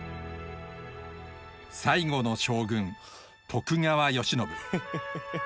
最後の将軍徳川慶喜。